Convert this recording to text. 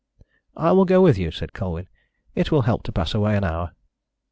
"I will go with you," said Colwyn. "It will help to pass away an hour."